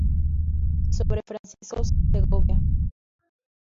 Sobre Francisco Segovia